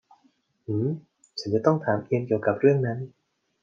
หืม ฉันจะต้องถามเอียนเกี่ยวกับเรื่องนั้น